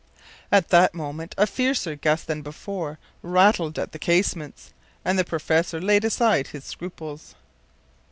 ” At that moment a fiercer gust than before rattled at the casements, and the professor laid aside his scruples.